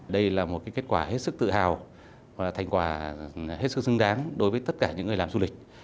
đây là một kết quả hết sức tự hào và thành quả hết sức xứng đáng đối với tất cả những người làm du lịch